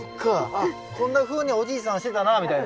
あっこんなふうにおじいさんしてたなみたいな。